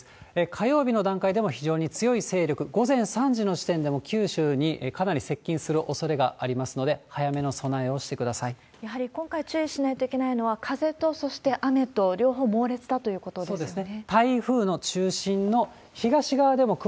火曜日の段階でも非常に強い勢力、午前３時の時点でも九州にかなり接近するおそれがありますので、やはり今回注意しないといけないのは、風と、そして雨と、両方猛烈だということですね。